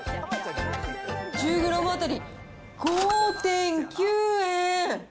１０グラム当たり５．９円。